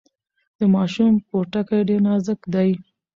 د ماشوم پوټکی ډیر نازک دی۔